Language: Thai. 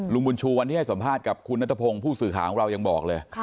บุญชูวันที่ให้สัมภาษณ์กับคุณนัทพงศ์ผู้สื่อข่าวของเรายังบอกเลย